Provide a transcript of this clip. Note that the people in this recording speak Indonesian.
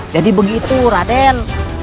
jadi begitu raden